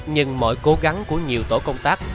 nhưng mọi cố gắng của nhiều tổ công tác